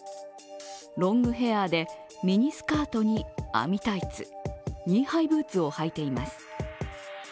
ロングヘアでミニスカートに網タイツ、ニーハイブーツを履いています。